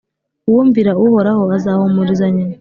uwumvira Uhoraho azahumuriza nyina